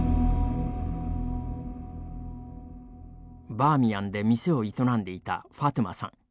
バーミヤンで店を営んでいたファトゥマさん。